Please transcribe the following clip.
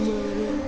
jangan rafa jangan